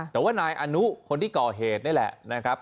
แต่ว่านายอนุคนที่ก่อเหตุนี่แหละนะครับ